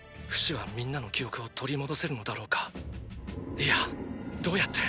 いやどうやって！